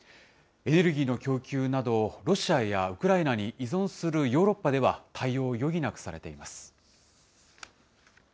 エネルギーの供給など、ロシアやウクライナに依存するヨーロッパでは対応を余儀なくされています。